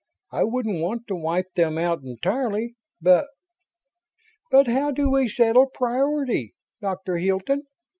I wouldn't want to wipe them out entirely, but ..." "But how do we settle priority, Doctor Hilton?"